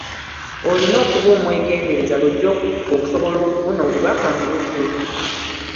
Olina okuba omwegendereza lw’ojja okusobola okufuna obubaka mu bujjuvu.